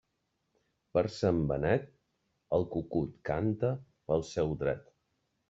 Per Sant Benet, el cucut canta pel seu dret.